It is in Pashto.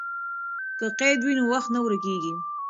که قید وي نو وخت نه ورکېږي.